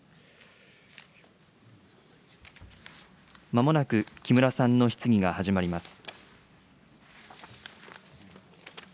まもなく木村さんの質疑が始まります。